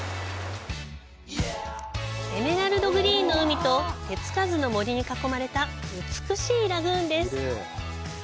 エメラルドグリーンの海と手つかずの森に囲まれた美しいラグーンです。